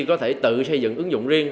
có thể tự xây dựng ứng dụng riêng